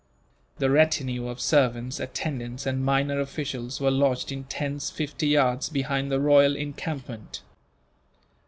The retinue of servants, attendants, and minor officials were lodged in tents fifty yards behind the royal encampment.